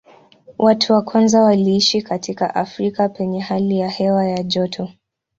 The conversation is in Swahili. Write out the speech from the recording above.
Watu wa kwanza waliishi katika Afrika penye hali ya hewa ya joto.